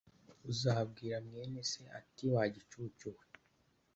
uzabwira mwene se ati ‘Wa gicucu we